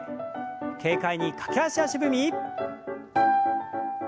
軽快に駆け足足踏み。